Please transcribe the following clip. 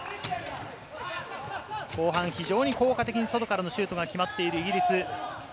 後半、非常に効果的に外からのシュートが決まっているイギリス。